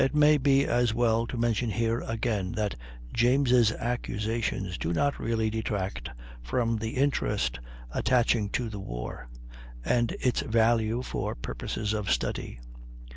It may be as well to mention here, again, that James' accusations do not really detract from the interest attaching to the war, and its value for purposes of study.